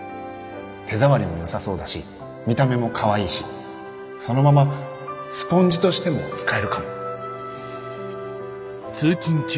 手触りもよさそうだし見た目もかわいいしそのままスポンジとしても使えるかも。